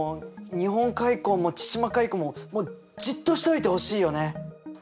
日本海溝も千島海溝ももうじっとしておいてほしいよね。